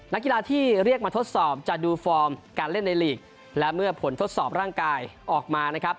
นักกีฬาที่เรียกมาทดสอบจะดูฟอร์มการเล่นในลีกและเมื่อผลทดสอบร่างกายออกมานะครับ